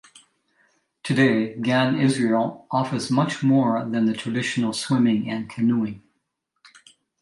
Today, Gan Israel offers much more than the traditional swimming and canoeing.